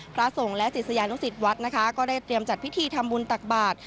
พระสงฆ์และศิษยานุสิตวัดนะคะก็ได้เตรียมจัดพิธีทำบุญตักบาท